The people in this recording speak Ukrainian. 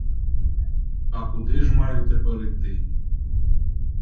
А куди ж маю тепер іти?!